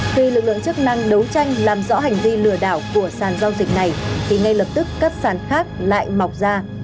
khi lực lượng chức năng đấu tranh làm rõ hành vi lừa đảo của sàn giao dịch này thì ngay lập tức các sàn khác lại mọc ra